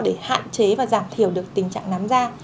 để hạn chế và giảm thiểu được tình trạng nắm da